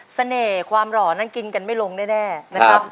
เสน่ห์ความหล่อนั้นกินกันไม่ลงแน่นะครับ